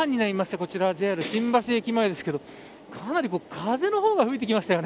こちらＪＲ新橋駅前ですけどかなり風の方が吹いてきました。